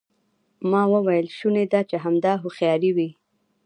ما وویل شونې ده چې همدا هوښیاري وي.